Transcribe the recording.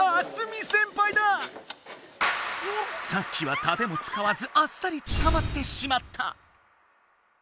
さっきは盾もつかわずあっさりつかまってしまった。